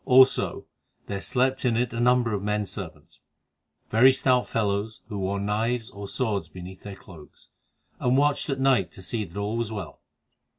Also, there slept in it a number of men servants, very stout fellows, who wore knives or swords beneath their cloaks, and watched at night to see that all was well.